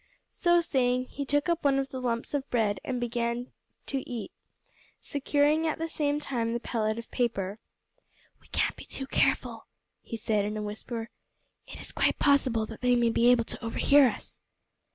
So saying, he took up one of the lumps of bread and began to ear, securing at the same time the pellet of paper. "We can't be too careful," he said in a whisper. "It is quite possible that they may be able to overhear us."